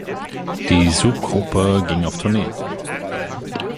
Die Subgruppe ging auf Tournee.